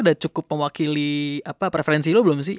udah cukup mewakili preferensi lu belum sih